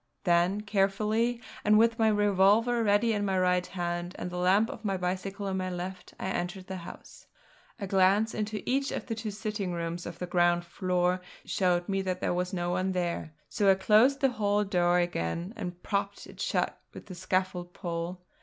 Then carefully, and with my revolver ready in my right hand and the lamp of my bicycle in my left, I entered the house. A glance into each of the two sitting rooms of the ground floor showed me that there was no one there; so I closed the hall door again, and propped it shut with the scaffold pole.